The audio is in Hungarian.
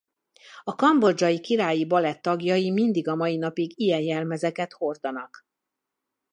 A kambodzsai Királyi Balett tagjai mind a mai napig ilyen jelmezeket hordanak.